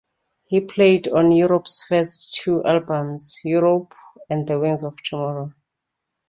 He played on Europe's first two albums, "Europe" and "Wings of Tomorrow".